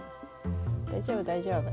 大丈夫大丈夫。